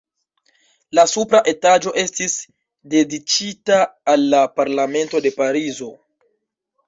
La supra etaĝo estis dediĉita al la Parlamento de Parizo.